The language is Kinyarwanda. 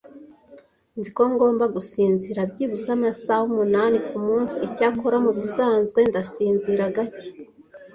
Nzi ko ngomba gusinzira byibuze amasaha umunani kumunsi, icyakora mubisanzwe ndasinzira gake.